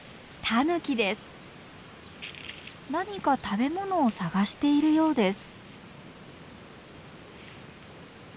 何か食べものを探しているようです。